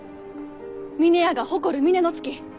峰屋が誇る峰乃月。